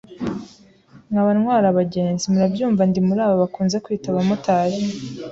nkaba ntwara abagenzi, murabyumva ndi muri aba bakunze kwita Abamotari.